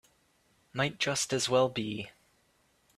Might just as well be.